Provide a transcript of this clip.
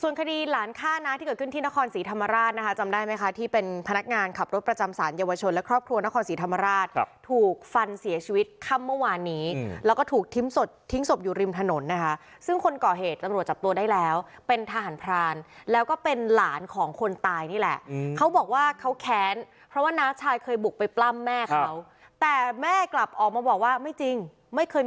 ส่วนคดีหลานฆ่าน้าที่เกิดขึ้นที่นครสีธรรมราชนะฮะจำได้ไหมคะที่เป็นพนักงานขับรถประจำศาลเยาวชนและครอบครัวนครสีธรรมราชถูกฟันเสียชีวิตค่ำเมื่อวานนี้แล้วก็ถูกทิ้งสดทิ้งสบอยู่ริมถนนนะฮะซึ่งคนก่อเหตุตังโรจจับตัวได้แล้วเป็นทหารพรานแล้วก็เป็นหลานของคนตายนี่แหละเขาบอกว่าเข